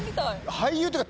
俳優っていうか